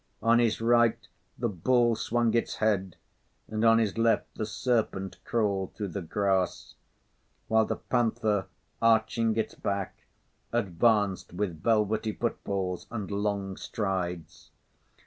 On his right, the bull swung its head and on his left the serpent crawled through the grass; while the panther, arching its back, advanced with velvety footfalls and long strides.